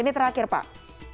ini terakhir pak